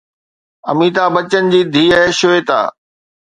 اميتاڀ بچن جي ڌيءَ شيوتا